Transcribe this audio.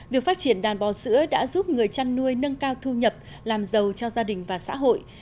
việc phát triển đàn bò sữa đã giúp người chăn nuôi nâng cao thu nhập làm giàu cho gia đình và xã hội